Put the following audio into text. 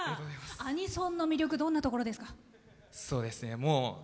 アニソンに魅力はどんなところですか？